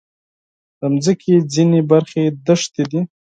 د مځکې ځینې برخې دښتې دي.